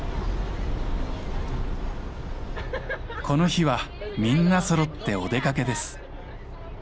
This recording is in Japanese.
この日はみんなそろってお出かけです。